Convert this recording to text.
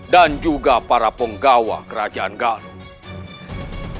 dan juga para penggawa kerajaan galus